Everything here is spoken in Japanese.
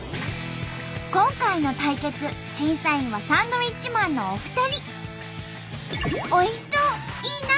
今回の対決審査員はサンドウィッチマンのお二人。